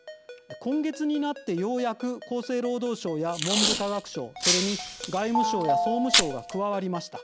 今月になって、ようやく厚生労働省や文部科学省それに外務省や総務省が加わりました。